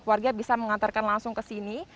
warga bisa mengantarkan langsung ke sini